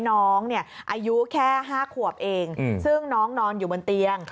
น้องเนี่ยอายุแค่๕ขวบเองซึ่งน้องนอนอยู่บนเตียง